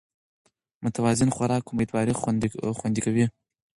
متوازن خوراک امېدواري خوندي کوي